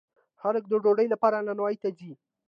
خلک د ډوډۍ لپاره نانواییو ته ځي.